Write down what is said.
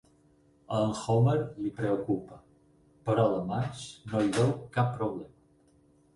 A en Homer li preocupa, però la Marge no hi veu cap problema.